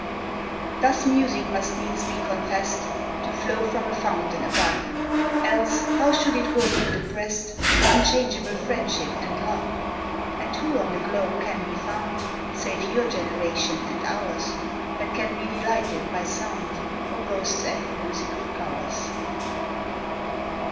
Thus music must needs be confest To flow from a fountain above; Else how should it work in the breast Unchangeable friendship and love? And who on the globe can be found, Save your generation and ours, That can be delighted by sound, Or boasts any musical powers?